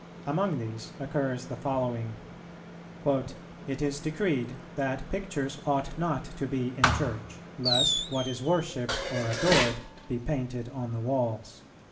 Among these occurs the following: "It is decreed, that pictures ought not to be in church, lest what is worshipped or adored be painted on the walls."